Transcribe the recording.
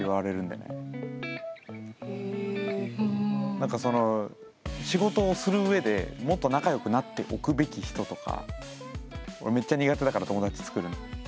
俺さ仕事をするうえでもっと仲良くなっておくべき人とか俺めっちゃ苦手だから友達作るの。